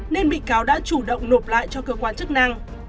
nên bị cáo đã chủ động nộp lại cho cơ quan chức năng